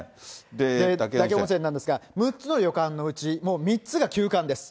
嶽温泉なんですが、６つの旅館のうちもう３つが休館です。